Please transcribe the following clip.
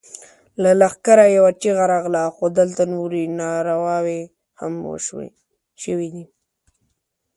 له لښکره يوه چيغه راغله! خو دلته نورې نارواوې هم شوې دي.